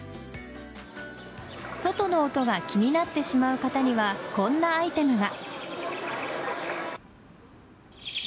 外の音が気になってしまう方にはこんなアイテムが。